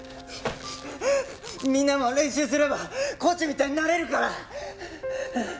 みんなも練習すればコーチみたいになれるから！